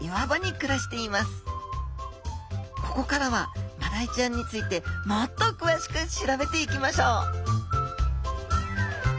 ここからはマダイちゃんについてもっとくわしく調べていきましょう！